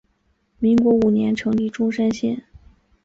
民国五年成立钟山县。